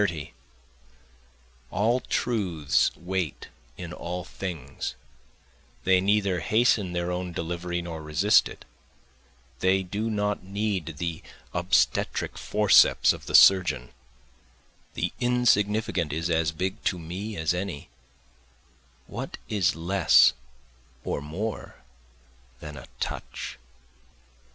30 All truths wait in all things, They neither hasten their own delivery nor resist it, They do not need the obstetric forceps of the surgeon, The insignificant is as big to me as any, (What is less or more than a touch?)